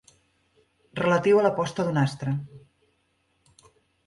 Relatiu a la posta d'un astre.